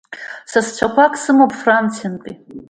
Сасцәақәак сымоуп Франциантәи…